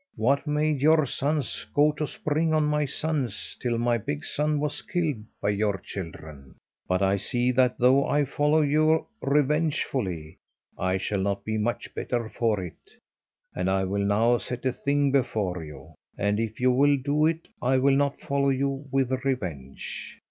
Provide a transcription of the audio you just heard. what made your sons go to spring on my sons till my big son was killed by your children? but I see that though I follow you revengefully, I shall not be much better for it, and I will now set a thing before you, and if you will do it, I will not follow you with revenge.